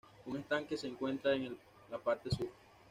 Un estanque se encuentra en la parte sur.